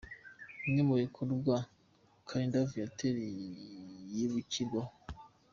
Bimwe mu bikorwa Kalinda Viateur yibukirwaho :.